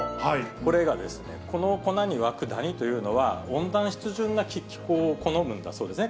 これがですね、この粉に湧くダニというのは温暖湿潤な気候を好むんだそうですね。